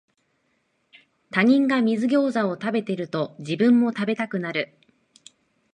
他人が水ギョウザを食べてると、自分も食べたくなる